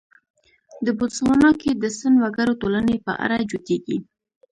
د بوتسوانا کې د سن وګړو ټولنې په اړه جوتېږي.